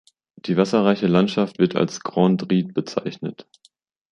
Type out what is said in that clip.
Die wasserreiche Landschaft wird als "Grand Ried" bezeichnet.